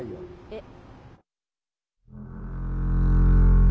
えっ。